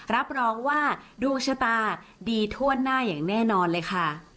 รับรองว่าดวงชะตาดีทั่วหน้าอย่างแน่นอนเลยค่ะ